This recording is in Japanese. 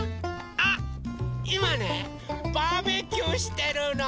あっいまねバーベキューしてるの！